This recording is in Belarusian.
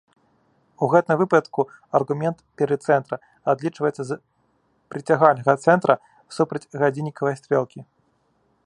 У гэтым выпадку аргумент перыцэнтра адлічваецца з прыцягальнага цэнтра супраць гадзіннікавай стрэлкі.